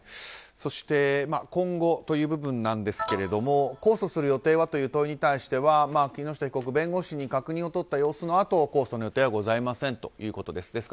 そして、今後という部分ですが控訴する予定は？という問いに対しては木下被告、弁護士に確認をとった様子のあと控訴の予定はございませんということです。